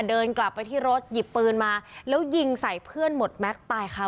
เดินกลับไปที่รถหยิบปืนมาแล้วยิงใส่เพื่อนหมดแม็กซ์ตายค่ะ